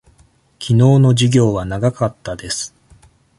きのうの授業は長かったです。